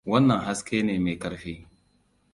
Wannan haske ne mai ƙarfi.